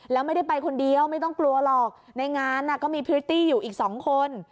แล้วไม่ได้ไปคนเดียวไม่ต้องกลัวหรอกในงานก็มีพริตตี้อยู่อีก๒คน